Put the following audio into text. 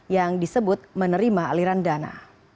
yang disebut menerima aliran dana